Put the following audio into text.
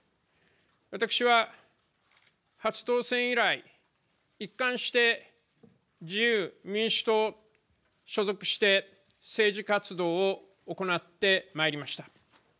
私は初当選以来、一貫して自由民主党、所属して政治活動を行ってまいりました。